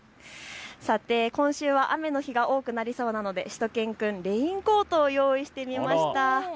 さて今週は雨の日が多くなりそうなのでしゅと犬くん、レインコートを用意してみました。